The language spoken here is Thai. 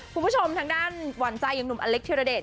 คุณผู้ชมทางด้านหวานใจอย่างหนุ่มอเล็กธิรเดช